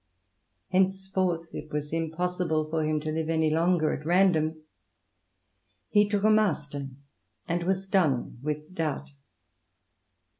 Henceforth it was impossible for him to live any longer at random ; he took a Master, and was done with doubt.